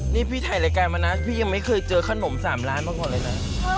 นี่พี่ถ่ายรายการมานะพี่ยังไม่เคยเจอขนม๓ล้านมาก่อนเลยนะ